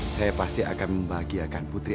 saya pasti akan membahagiakan putri